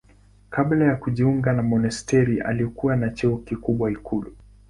Kabla ya kujiunga na monasteri alikuwa na cheo kikubwa ikulu.